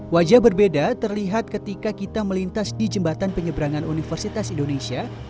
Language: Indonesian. wajah berbeda terlihat ketika kita melintas di jembatan penyeberangan universitas indonesia